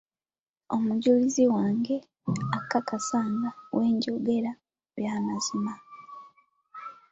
Omujulizi wange, akakasa nga bwe njogera eby'amazima.